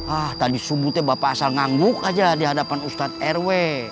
ah tadi subuhnya bapak asal ngangguk aja di hadapan ustadz rw